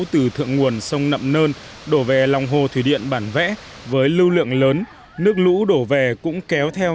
từ thượng nguồn sông nậm nơn đổ về lòng hồ thủy điện bản vẽ với lưu lượng lớn nước lũ đổ về cũng kéo theo